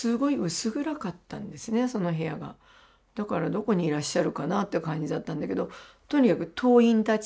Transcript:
だからどこにいらっしゃるかなって感じだったんだけどとにかく党員たち。